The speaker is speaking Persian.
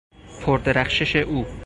پر درخشش او